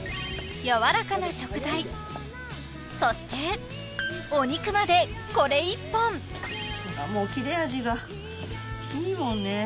柔らかな食材そしてお肉までこれ一本もう切れ味がいいもんね